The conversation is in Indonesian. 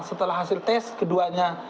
setelah hasil tes keduanya